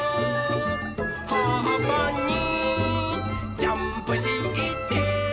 「はっぱにジャンプして」